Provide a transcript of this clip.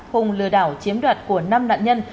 hùng lừa đảo chiếm đoạt của năm nạn nhân